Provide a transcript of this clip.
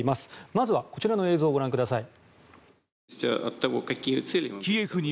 まずはこちらの映像をご覧ください。